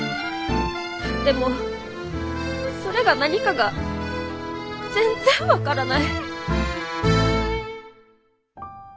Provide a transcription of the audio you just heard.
でもそれが何かが全然分からない。